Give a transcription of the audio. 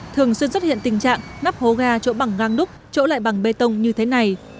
thường xuyên xuất hiện tình trạng nắp hố ga chỗ bằng gang đúc chỗ lại bằng bê tông như thế này